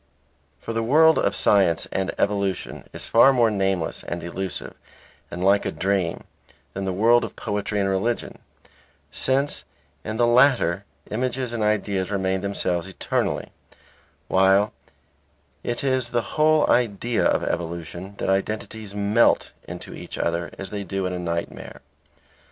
For the world of science and evolution is far more nameless and elusive and like a dream than the world of poetry and religion; since in the latter images and ideas remain themselves eternally, while it is the whole idea of evolution that identities melt into each other as they do in a nightmare.